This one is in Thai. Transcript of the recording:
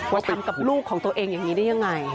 ว่าทำกับลูกของตัวเองอย่างนี้ได้ยังไง